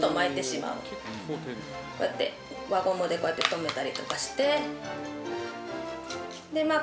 こうやって輪ゴムで留めたりとかして。